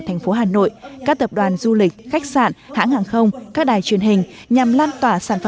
thành phố hà nội các tập đoàn du lịch khách sạn hãng hàng không các đài truyền hình nhằm lan tỏa sản phẩm